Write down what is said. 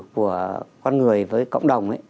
của con người với cộng đồng